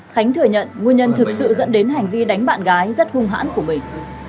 khánh thừa nhận nguyên nhân thực sự dẫn đến hành vi đánh bạn gái rất hung hãn của mình